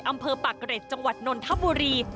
อำเภอปากเกร็ดจังหวัดนนทบุรี